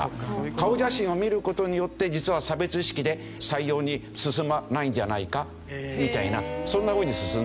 顔写真を見る事によって実は差別意識で採用に進まないんじゃないかみたいなそんなふうに進んでる。